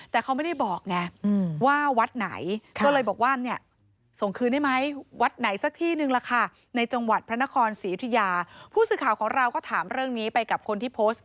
แต่เขาไม่ได้บอกแหงว่าวัดไหน